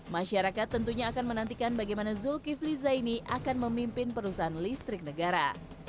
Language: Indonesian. masyarakat tentunya akan menantikan bagaimana zulkifli zaini akan memimpin perusahaan listrik negara